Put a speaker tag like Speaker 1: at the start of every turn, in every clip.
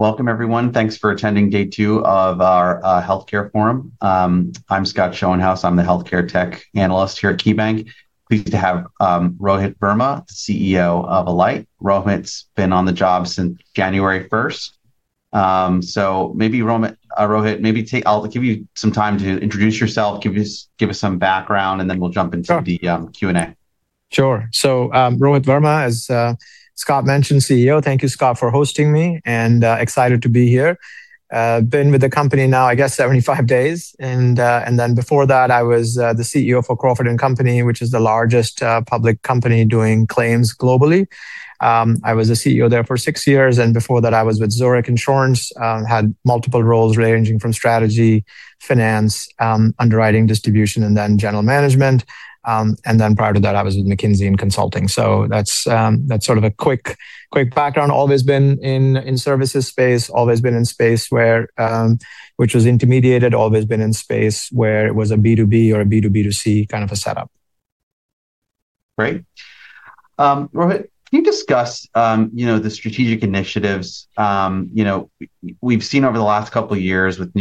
Speaker 1: Welcome everyone. Thanks for attending day two of our healthcare forum. I'm Scott Schoenhaus, the Healthcare Tech Analyst here at KeyBank. Pleased to have Rohit Verma, CEO of Alight. Rohit's been on the job since January first. Maybe Rohit, I'll give you some time to introduce yourself, give us some background, and then we'll jump into the-
Speaker 2: Sure.
Speaker 1: Q&A.
Speaker 2: Sure. So, Rohit Verma, as Scott mentioned, CEO. Thank you, Scott, for hosting me, and excited to be here. Been with the company now, I guess 75 days. Before that I was the CEO for Crawford & Company, which is the largest public company doing claims globally. I was the CEO there for 6 years, and before that I was with Zurich Insurance. Had multiple roles ranging from strategy, finance, underwriting, distribution, and then general management. Prior to that I was with McKinsey in consulting. That's sort of a quick background. Always been in services space, always been in space where, which was intermediated, always been in space where it was a B2B or a B2B2C kind of a setup.
Speaker 1: Great. Rohit, can you discuss, you know, the strategic initiatives, you know, we've seen over the last couple of years with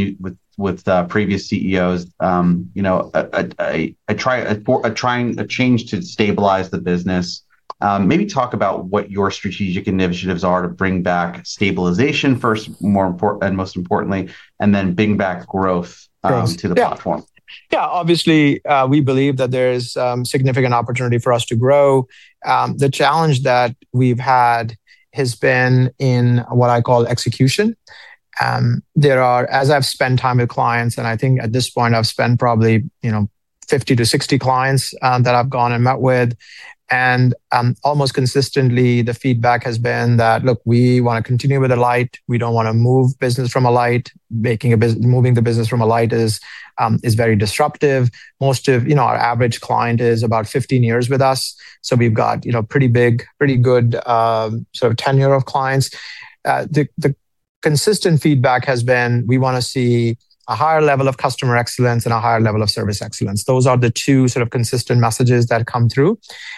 Speaker 1: previous CEOs, you know, a trying change to stabilize the business. Maybe talk about what your strategic initiatives are to bring back stabilization first, more importantly, and then bring back growth.
Speaker 2: Growth. Yeah.
Speaker 1: to the platform.
Speaker 2: Yeah. Obviously, we believe that there is significant opportunity for us to grow. The challenge that we've had has been in what I call execution. As I've spent time with clients, and I think at this point I've spent probably, you know, 50 to 60 clients that I've gone and met with, and almost consistently the feedback has been that, "Look, we wanna continue with Alight. We don't wanna move business from Alight. Moving the business from Alight is very disruptive." You know, our average client is about 15 years with us, so we've got, you know, pretty big, pretty good sort of tenure of clients. The consistent feedback has been, "We wanna see a higher level of customer excellence and a higher level of service excellence." Those are the two sort of consistent messages that come through.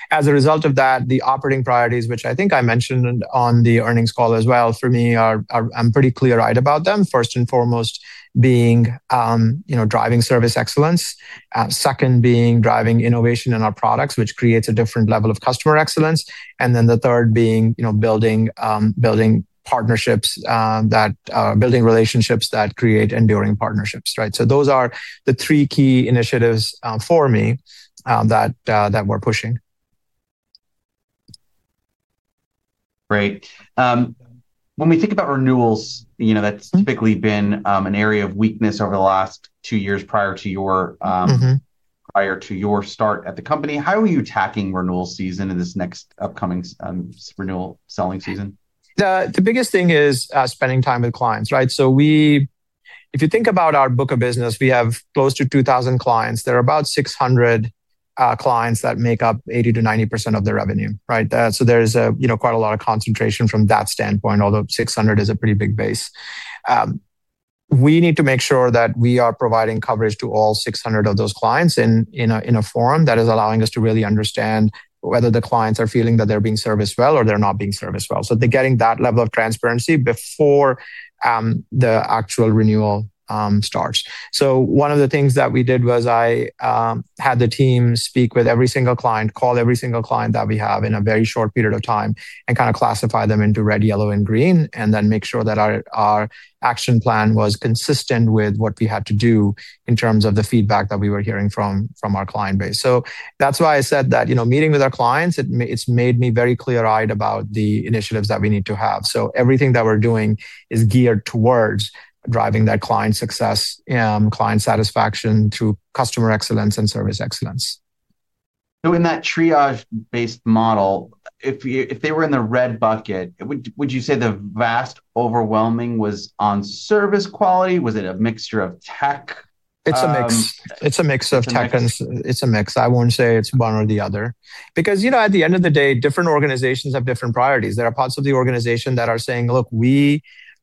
Speaker 2: As a result of that, the operating priorities, which I think I mentioned on the earnings call as well, for me are. I'm pretty clear-eyed about them. First and foremost being, you know, driving service excellence. Second being driving innovation in our products, which creates a different level of customer excellence. And then the third being, you know, building partnerships that building relationships that create enduring partnerships, right? Those are the three key initiatives, for me, that we're pushing.
Speaker 1: Great. When we think about renewals, you know, that's typically been an area of weakness over the last two years prior to your
Speaker 2: Mm-hmm
Speaker 1: prior to your start at the company. How are you tackling renewal season in this next upcoming renewal selling season?
Speaker 2: The biggest thing is spending time with clients, right? If you think about our book of business, we have close to 2,000 clients. There are about 600 clients that make up 80%-90% of the revenue, right? There is you know, quite a lot of concentration from that standpoint, although 600 is a pretty big base. We need to make sure that we are providing coverage to all 600 of those clients in a forum that is allowing us to really understand whether the clients are feeling that they're being serviced well or they're not being serviced well. They're getting that level of transparency before the actual renewal starts. One of the things that we did was I had the team speak with every single client, call every single client that we have in a very short period of time, and kinda classify them into red, yellow, and green, and then make sure that our action plan was consistent with what we had to do in terms of the feedback that we were hearing from our client base. That's why I said that, you know, meeting with our clients, it's made me very clear-eyed about the initiatives that we need to have. Everything that we're doing is geared towards driving that client success and client satisfaction through customer excellence and service excellence.
Speaker 1: In that triage-based model, if they were in the red bucket, would you say the vast overwhelming was on service quality? Was it a mixture of tech?
Speaker 2: It's a mix of tech and s-
Speaker 1: It's a mix.
Speaker 2: It's a mix. I wouldn't say it's one or the other. You know, at the end of the day, different organizations have different priorities. There are parts of the organization that are saying, "Look, we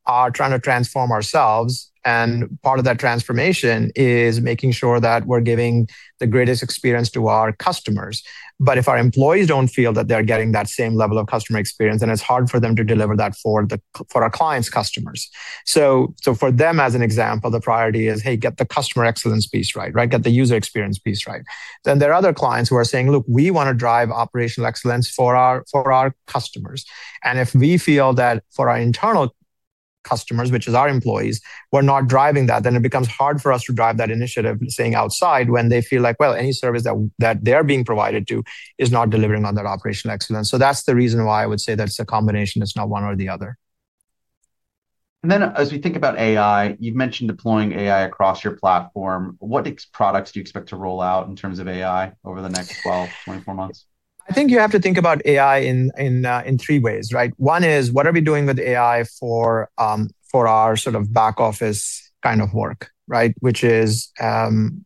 Speaker 2: are trying to transform ourselves, and part of that transformation is making sure that we're giving the greatest experience to our customers. But if our employees don't feel that they're getting that same level of customer experience, then it's hard for them to deliver that for our clients' customers." For them, as an example, the priority is, "Hey, get the customer excellence piece right," right? Get the user experience piece right." There are other clients who are saying, "Look, we wanna drive operational excellence for our, for our customers, and if we feel that for our internal customers, which is our employees, we're not driving that, then it becomes hard for us to drive that initiative staying outside when they feel like, well, any service that they're being provided to is not delivering on that operational excellence." That's the reason why I would say that it's a combination. It's not one or the other.
Speaker 1: As we think about AI, you've mentioned deploying AI across your platform. What products do you expect to roll out in terms of AI over the next 12-24 months?
Speaker 2: I think you have to think about AI in three ways, right? One is, what are we doing with AI for our sort of back office kind of work, right? Which is, I mean,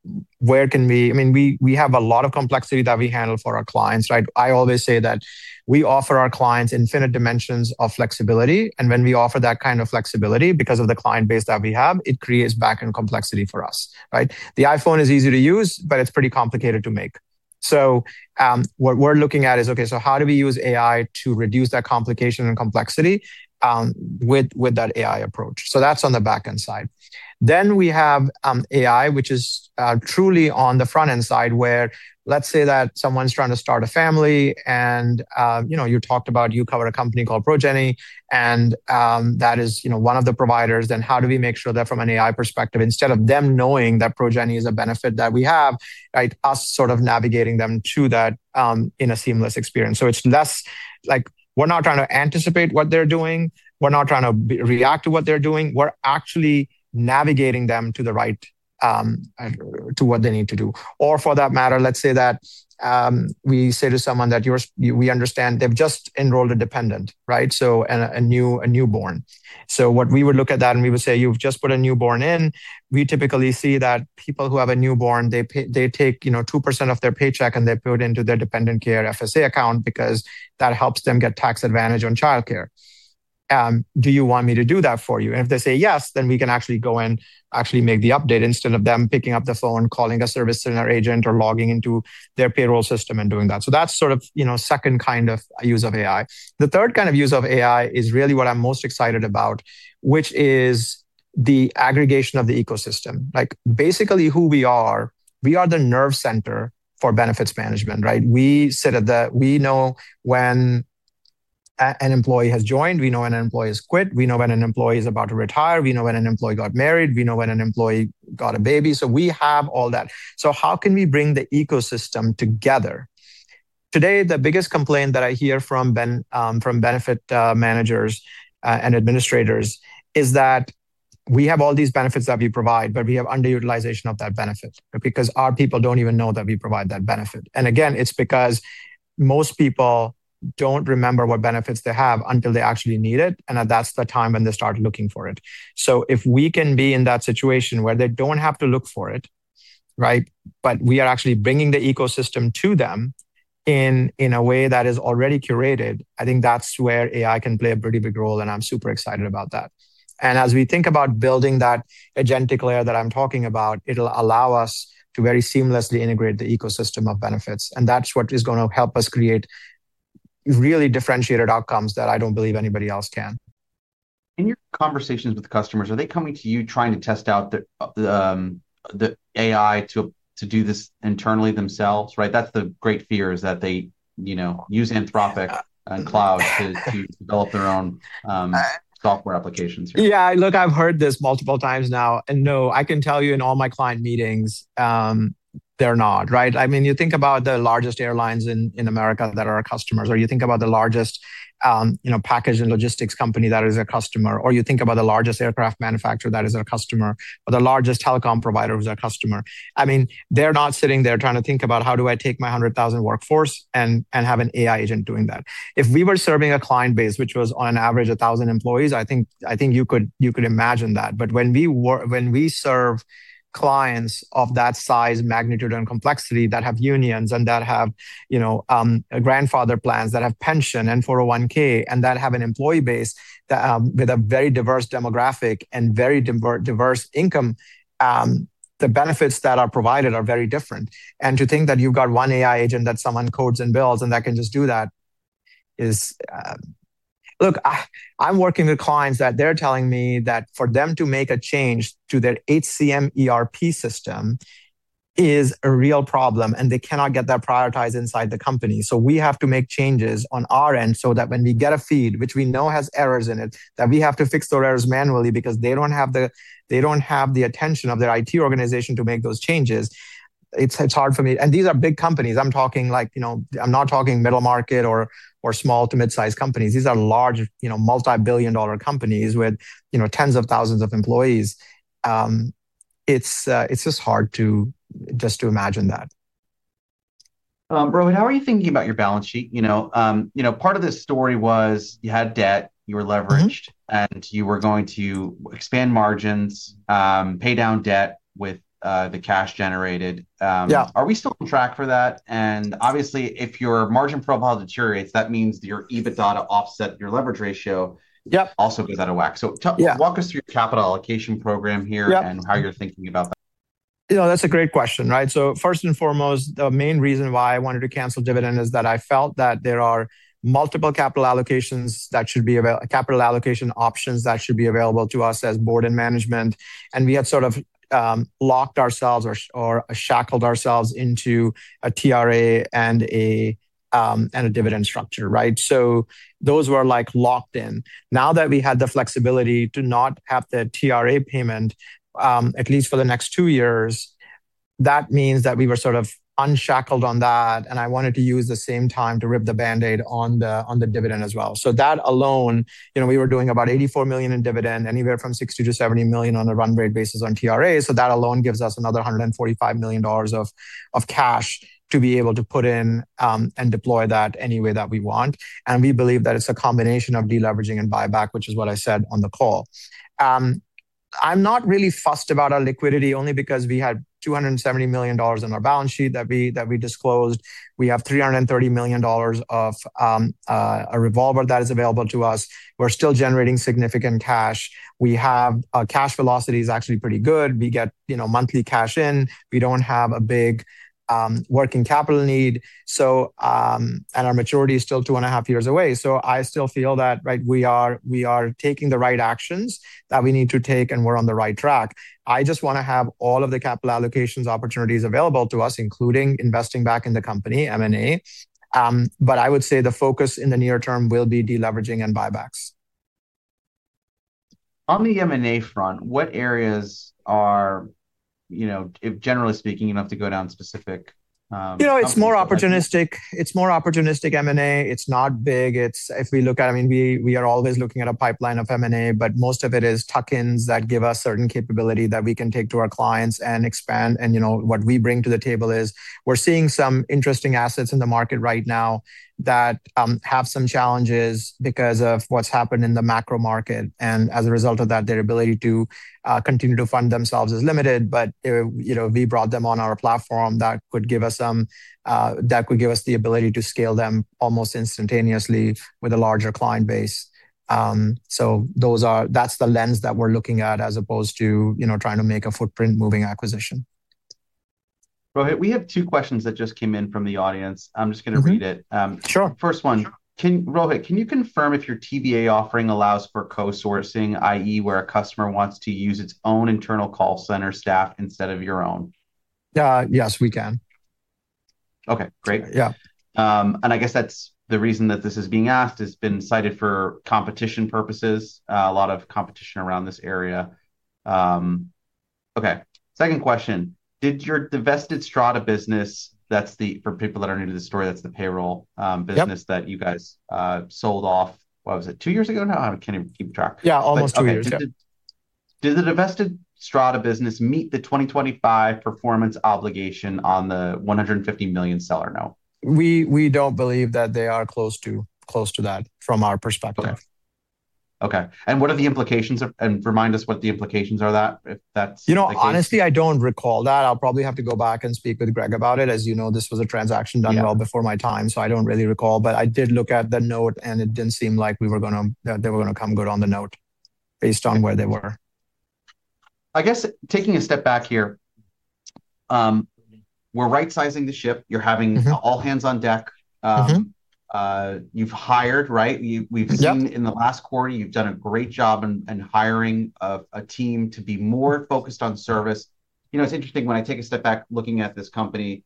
Speaker 2: we have a lot of complexity that we handle for our clients, right? I always say that we offer our clients infinite dimensions of flexibility, and when we offer that kind of flexibility, because of the client base that we have, it creates backend complexity for us, right? The iPhone is easy to use, but it's pretty complicated to make. What we're looking at is how do we use AI to reduce that complication and complexity with that AI approach? That's on the back-end side. We have AI, which is truly on the front-end side, where let's say that someone's trying to start a family and you know, you talked about you cover a company called Progyny, and that is you know, one of the providers. How do we make sure that from an AI perspective, instead of them knowing that Progyny is a benefit that we have, right? Us sort of navigating them to that in a seamless experience. It's less like we're not trying to anticipate what they're doing, we're not trying to react to what they're doing, we're actually navigating them to the right to what they need to do. Or for that matter, let's say that we say to someone that we understand they've just enrolled a dependent, right? And a new newborn. What we would look at that, and we would say, "You've just put a newborn in." We typically see that people who have a newborn, they take, you know, 2% of their paycheck, and they put into their dependent care FSA account because that helps them get tax advantage on childcare. Do you want me to do that for you? If they say yes, then we can actually go in, actually make the update instead of them picking up the phone, calling a service center agent or logging into their payroll system and doing that. That's sort of, you know, second kind of use of AI. The third kind of use of AI is really what I'm most excited about, which is the aggregation of the ecosystem. Like, basically who we are, we are the nerve center for benefits management, right? We know when an employee has joined, we know when an employee has quit, we know when an employee is about to retire, we know when an employee got married, we know when an employee got a baby. We have all that. How can we bring the ecosystem together? Today, the biggest complaint that I hear from benefit managers and administrators is that we have all these benefits that we provide, but we have underutilization of that benefit because our people don't even know that we provide that benefit. Again, it's because most people don't remember what benefits they have until they actually need it, and that's the time when they start looking for it. If we can be in that situation where they don't have to look for it, right? We are actually bringing the ecosystem to them in a way that is already curated. I think that's where AI can play a pretty big role, and I'm super excited about that. As we think about building that agentic layer that I'm talking about, it'll allow us to very seamlessly integrate the ecosystem of benefits, and that's what is gonna help us create really differentiated outcomes that I don't believe anybody else can.
Speaker 1: In your conversations with customers, are they coming to you trying to test out the AI to do this internally themselves, right? That's the great fear is that they, you know, use Anthropic and Claude to develop their own software applications.
Speaker 2: Yeah. Look, I've heard this multiple times now, and no, I can tell you in all my client meetings, they're not, right. I mean, you think about the largest airlines in America that are our customers, or you think about the largest, you know, package and logistics company that is our customer, or you think about the largest aircraft manufacturer that is our customer, or the largest telecom provider who's our customer. I mean, they're not sitting there trying to think about, "How do I take my 100,000 workforce and have an AI agent doing that?" If we were serving a client base which was on average 1,000 employees, I think you could imagine that. When we serve clients of that size, magnitude, and complexity that have unions and that have, you know, grandfather plans, that have pension and 401(k), and that have an employee base that, with a very diverse demographic and very diverse income, the benefits that are provided are very different. To think that you've got one AI agent that someone codes and builds, and that can just do that is. Look, I'm working with clients that they're telling me that for them to make a change to their HCM, ERP system is a real problem, and they cannot get that prioritized inside the company. We have to make changes on our end so that when we get a feed, which we know has errors in it, that we have to fix those errors manually because they don't have the attention of their IT organization to make those changes. It's hard for me. These are big companies. I'm talking like, you know, I'm not talking middle market or small to mid-sized companies. These are large, you know, multi-billion dollar companies with, you know, tens of thousands of employees. It's just hard to imagine that.
Speaker 1: Rohit, how are you thinking about your balance sheet? You know, part of this story was you had debt, you were leveraged-
Speaker 2: Mm-hmm.
Speaker 1: You were going to expand margins, pay down debt with the cash generated.
Speaker 2: Yeah.
Speaker 1: Are we still on track for that? Obviously, if your margin profile deteriorates, that means your EBITDA to offset your leverage ratio.
Speaker 2: Yep.
Speaker 1: Also goes out of whack.
Speaker 2: Yeah.
Speaker 1: Walk us through your capital allocation program here?
Speaker 2: Yep.
Speaker 1: how you're thinking about that.
Speaker 2: You know, that's a great question, right? First and foremost, the main reason why I wanted to cancel dividend is that I felt that there are multiple capital allocations that should be capital allocation options that should be available to us as board and management, and we had sort of locked ourselves or shackled ourselves into a TRA and a dividend structure, right? Those were, like, locked in. Now that we had the flexibility to not have the TRA payment, at least for the next two years, that means that we were sort of unshackled on that, and I wanted to use the same time to rip the Band-Aid on the dividend as well. That alone, you know, we were doing about $84 million in dividend, anywhere from $60 million-$70 million on a run rate basis on TRA. That alone gives us another $145 million of cash to be able to put in and deploy that any way that we want. We believe that it's a combination of deleveraging and buyback, which is what I said on the call. I'm not really fussed about our liquidity, only because we had $270 million in our balance sheet that we disclosed. We have $330 million of a revolver that is available to us. We're still generating significant cash. Our cash velocity is actually pretty good. We get, you know, monthly cash in. We don't have a big working capital need. Our maturity is still two and a half years away. I still feel that, right, we are taking the right actions that we need to take, and we're on the right track. I just wanna have all of the capital allocations opportunities available to us, including investing back in the company, M&A. I would say the focus in the near term will be deleveraging and buybacks.
Speaker 1: On the M&A front, what areas are, you know, generally speaking, you don't have to go into specific companies?
Speaker 2: You know, it's more opportunistic M&A. It's not big. If we look at it, I mean, we are always looking at a pipeline of M&A, but most of it is tuck-ins that give us certain capability that we can take to our clients and expand. You know, what we bring to the table is we're seeing some interesting assets in the market right now that have some challenges because of what's happened in the macro market. As a result of that, their ability to continue to fund themselves is limited. If you know, we brought them on our platform, that could give us the ability to scale them almost instantaneously with a larger client base. That's the lens that we're looking at as opposed to, you know, trying to make a footprint moving acquisition.
Speaker 1: Rohit, we have two questions that just came in from the audience. I'm just gonna read it.
Speaker 2: Mm-hmm. Sure.
Speaker 1: First one. Rohit, can you confirm if your BPaaS offering allows for co-sourcing, i.e., where a customer wants to use its own internal call center staff instead of your own?
Speaker 2: Yes, we can.
Speaker 1: Okay, great.
Speaker 2: Yeah.
Speaker 1: I guess that's the reason that this is being asked. It's been cited for competition purposes, a lot of competition around this area. Okay. Second question: Did your divested Strada business, that's for people that are new to the story, that's the payroll business.
Speaker 2: Yep...
Speaker 1: that you guys, sold off, what was it, two years ago now? I cannot even keep track.
Speaker 2: Yeah, almost two years ago.
Speaker 1: Did the divested Strada business meet the 2025 performance obligation on the $150 million seller note?
Speaker 2: We don't believe that they are close to that from our perspective.
Speaker 1: Okay. Remind us what the implications are that if that's the case.
Speaker 2: You know, honestly, I don't recall that. I'll probably have to go back and speak with Greg about it. As you know, this was a transaction done well before my time, so I don't really recall. I did look at the note, and it didn't seem like they were gonna come good on the note based on where they were.
Speaker 1: I guess taking a step back here, we're right-sizing the ship. You're having all hands on deck.
Speaker 2: Mm-hmm.
Speaker 1: You've hired, right?
Speaker 2: Yep
Speaker 1: We've seen in the last quarter you've done a great job in hiring of a team to be more focused on service. You know, it's interesting, when I take a step back looking at this company,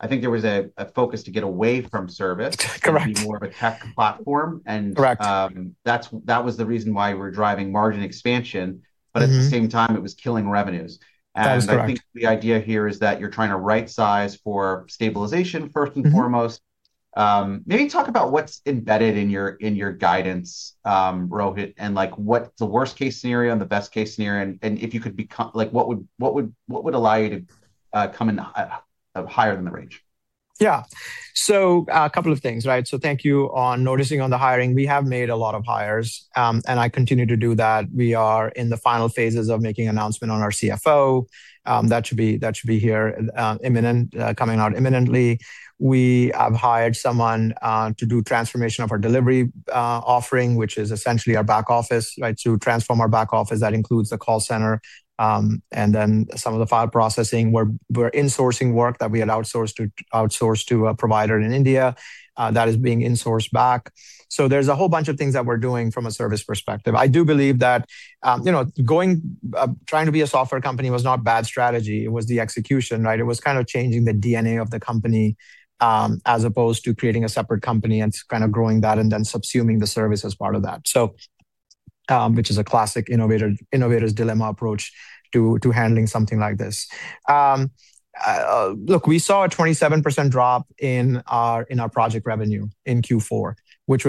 Speaker 1: I think there was a focus to get away from service.
Speaker 2: Correct
Speaker 1: to be more of a tech platform.
Speaker 2: Correct
Speaker 1: That was the reason why we're driving margin expansion.
Speaker 2: Mm-hmm.
Speaker 1: At the same time, it was killing revenues.
Speaker 2: That is correct.
Speaker 1: I think the idea here is that you're trying to right-size for stabilization first and foremost.
Speaker 2: Mm-hmm.
Speaker 1: Maybe talk about what's embedded in your guidance, Rohit, and like what the worst case scenario and the best case scenario and if you could like what would allow you to come in a higher than the range?
Speaker 2: Yeah. A couple of things, right? Thank you on noticing on the hiring. We have made a lot of hires, and I continue to do that. We are in the final phases of making announcement on our CFO, that should be here imminent, coming out imminently. We have hired someone to do transformation of our delivery offering, which is essentially our back office, right? To transform our back office. That includes the call center, and then some of the file processing. We're insourcing work that we had outsourced to a provider in India that is being insourced back. There's a whole bunch of things that we're doing from a service perspective. I do believe that, you know, going trying to be a software company was not bad strategy. It was the execution, right? It was kind of changing the DNA of the company as opposed to creating a separate company and kind of growing that and then subsuming the service as part of that. Which is a classic innovator's dilemma approach to handling something like this. Look, we saw a 27% drop in our project revenue in Q4, which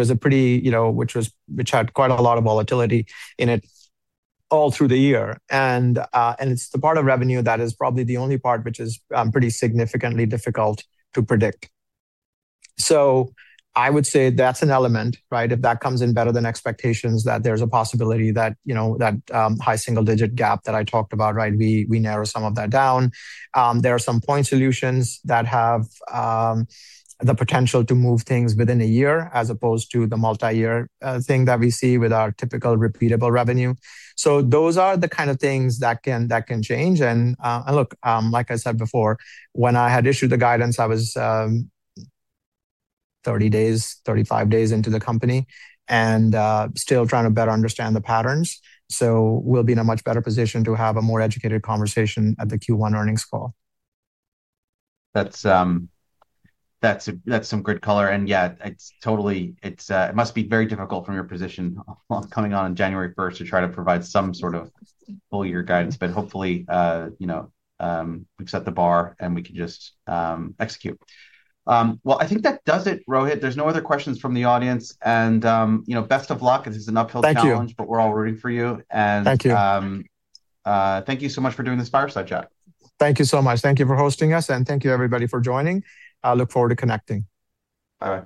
Speaker 2: had quite a lot of volatility in it all through the year. It's the part of revenue that is probably the only part which is pretty significantly difficult to predict. I would say that's an element, right? If that comes in better than expectations, that there's a possibility that you know that high single digit gap that I talked about, right? We narrow some of that down. There are some point solutions that have the potential to move things within a year as opposed to the multi-year thing that we see with our typical repeatable revenue. Those are the kind of things that can change. Look, like I said before, when I had issued the guidance, I was 30 days, 35 days into the company and still trying to better understand the patterns. We'll be in a much better position to have a more educated conversation at the Q1 earnings call.
Speaker 1: That's some good color. Yeah, it must be very difficult from your position coming on January first to try to provide some sort of full year guidance. Hopefully, you know, we've set the bar, and we can just execute. Well, I think that does it, Rohit. There's no other questions from the audience. You know, best of luck. This is an uphill challenge.
Speaker 2: Thank you.
Speaker 1: We're all rooting for you.
Speaker 2: Thank you.
Speaker 1: Thank you so much for doing this fireside chat.
Speaker 2: Thank you so much. Thank you for hosting us, and thank you everybody for joining. I look forward to connecting. Bye.